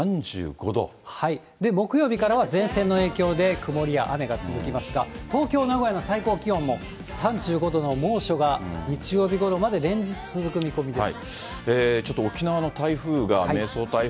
木曜日からは前線の影響で、曇りや雨が続きますが、東京、名古屋の最高気温も３５度の猛暑が日曜日ごろまで連日続く見込みです。